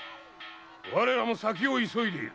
我らも先を急いでいる。